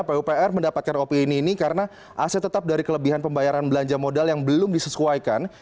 pupr mendapatkan opini ini karena aset tetap dari kelebihan pembayaran belanja modal yang belum disesuaikan